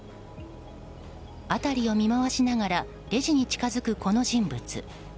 辺りを見回しながらレジに近づく、この人物。